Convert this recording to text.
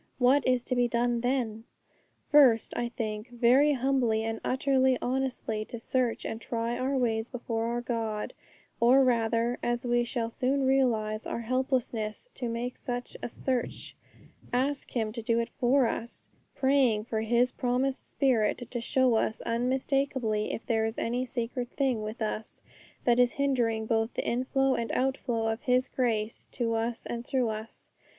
What is to be done then? First, I think, very humbly and utterly honestly to search and try our ways before our God, or rather, as we shall soon realize our helplessness to make such a search, ask Him to do it for us, praying for His promised Spirit to show us unmistakably if there is any secret thing with us that is hindering both the inflow and outflow of His grace to us and through us.